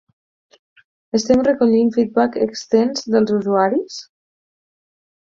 Estem recollint feedback extens dels usuaris?